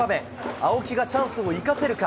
青木がチャンスを生かせるか。